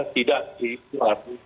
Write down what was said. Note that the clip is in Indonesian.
tidak di luar